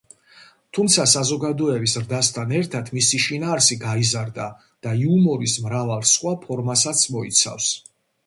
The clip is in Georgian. თუმცა, საზოგადოების ზრდასთან ერთად, მისი შინაარსი გაიზარდა და იუმორის მრავალ სხვა ფორმასაც მოიცავს.